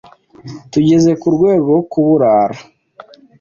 tugeze ku rwego rwo kuburara